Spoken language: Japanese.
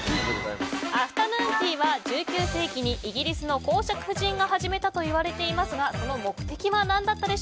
アフタヌーンティーは１９世紀にイギリスの侯爵夫人が始めたといわれていますがその目的は？